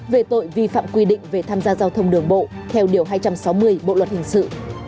về tội vi phạm quy định về tham gia giao thông đường bộ theo điều hai trăm sáu mươi bộ luật hình sự